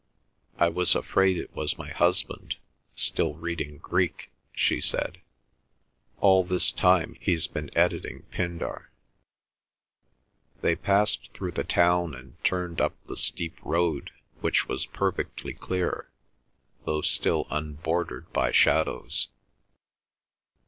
"I was afraid it was my husband, still reading Greek," she said. "All this time he's been editing Pindar." They passed through the town and turned up the steep road, which was perfectly clear, though still unbordered by shadows.